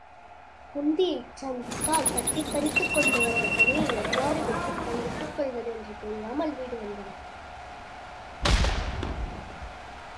குந்தியைச் சந்தித்தல் தட்டிப்பறித்துக் கொண்டு வந்த கனியை எவ்வாறு வெட்டிப் பங்கிட்டுக் கொள்வது என்று தெரியாமல் வீடு விரைந்தனர்.